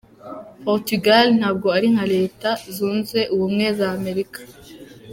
Portugal ntabwo ari nka Leta zunze ubumwe za Amerika”.